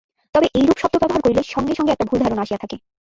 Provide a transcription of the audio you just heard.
তবে এইরূপ শব্দ ব্যবহার করিলে সঙ্গে সঙ্গে একটা ভুল ধারণা আসিয়া থাকে।